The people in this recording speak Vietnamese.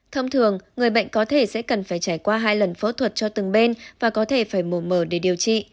thông thường người bệnh có thể sẽ cần phải trải qua hai lần phẫu thuật cho từng bên và có thể phải mổ mở để điều trị